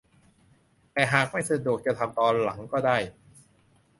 แต่หากไม่สะดวกจะทำตอนหลังก็ได้